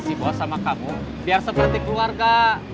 dibawa sama kamu biar seperti keluarga